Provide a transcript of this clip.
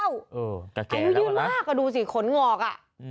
อายุยืนมากดูสิขนงอกอ่ะ